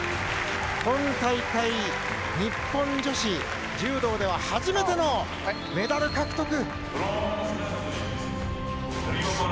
今大会日本女子柔道では初めてのメダル獲得。